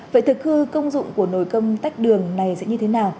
vậy thực hư công dụng của nồi công tách đường này sẽ như thế nào